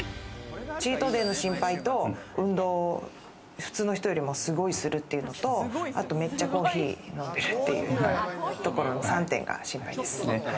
チートデイの心配と運動を普通の人よりもすごいするっていうのと、あとめっちゃコーヒー飲んでるというところの３点が心配です。